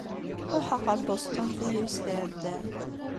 Ṛuḥeɣ ɣer Bustun tagrest iɛeddan.